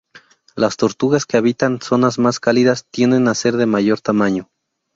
Las tortugas que habitan zonas más cálidas tienden a ser de mayor tamaño.